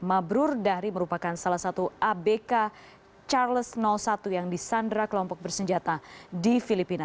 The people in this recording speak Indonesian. mabrur dahri merupakan salah satu abk charles satu yang disandra kelompok bersenjata di filipina